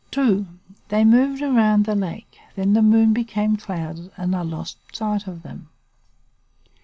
Two. They moved round the lake, then the moon became clouded and I lost sight of them.